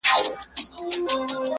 که د دوی پر وړاندې درېدل جرم دی